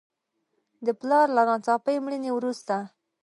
د پلار له ناڅاپي مړینې وروسته.